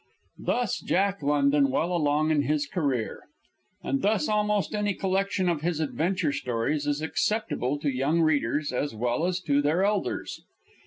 Thus Jack London, well along in his career. And thus almost any collection of his adventure stories is acceptable to young readers as well as to their elders.